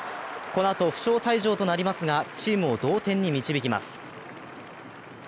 このあと負傷退場となりますが、チームを同点に導きます。